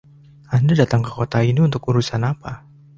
Anda datang ke kota ini untuk urusan apa?